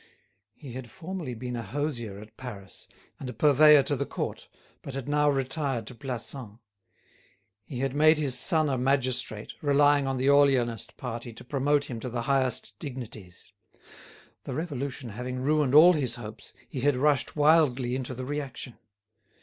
He had formerly been a hosier at Paris, and a purveyor to the Court, but had now retired to Plassans. He had made his son a magistrate, relying on the Orleanist party to promote him to the highest dignities. The revolution having ruined all his hopes, he had rushed wildly into the reaction.